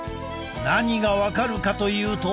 何が分かるかというと。